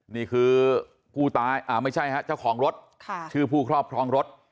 นี่คือผู้ตายอ่าไม่ใช่ช่องรถชื่อผู้ครอบครองรถ